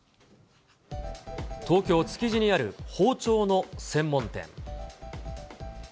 東京・築地にある包丁の専門店。